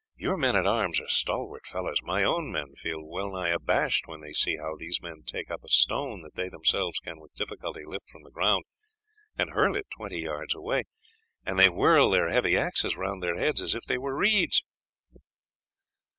Your men at arms are stalwart fellows. My own men feel well nigh abashed when they see how these men take up a stone that they themselves can with difficulty lift from the ground, and hurl it twenty yards away; and they whirl their heavy axes round their heads as if they were reeds."